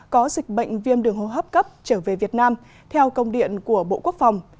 có dịch bệnh viêm đường hô hấp cấp trở về việt nam theo công điện của bộ quốc phòng